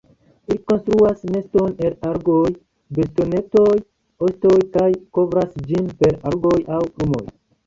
Ili konstruas neston el algoj, bastonetoj, ostoj kaj kovras ĝin per algoj aŭ plumoj.